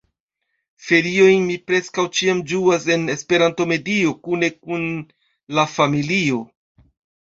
Feriojn mi preskaŭ ĉiam ĝuas en Esperanto-medio, kune kun la familio.